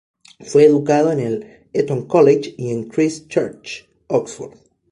Fue educado en el Eton College y en Christ Church, Oxford.